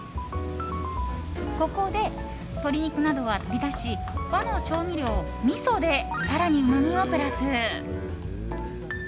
ここで鶏肉などは取り出し和の調味料、みそで更にうまみをプラス。